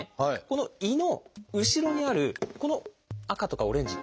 この胃の後ろにあるこの赤とかオレンジ。